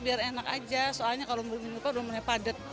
biar enak aja soalnya kalau belum dipadat